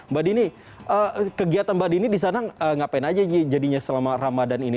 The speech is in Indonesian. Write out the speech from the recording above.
mbak dini kegiatan mbak dini disana ngapain aja jadinya selama ramadan ini